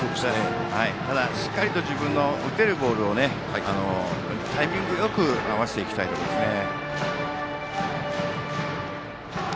ただ、しっかりと自分の打てるボールをタイミングよく合わせていきたいところですね。